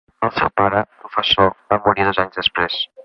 El seu pare, professor, va morir dos anys després.